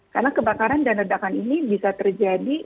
karena kebakaran dan redakan ini bisa terjadi